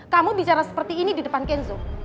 kamu bicara seperti ini di depan kenzo